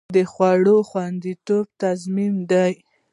د خوړو خوندیتوب تضمین دی؟